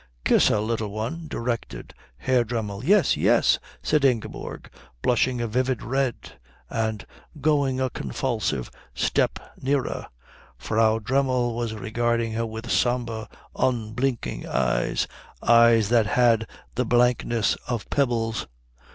"Kiss her, Little One," directed Herr Dremmel. "Yes, yes," said Ingeborg, blushing a vivid red and going a convulsive step nearer. Frau Dremmel was regarding her with sombre, unblinking eyes, eyes that had the blankness of pebbles.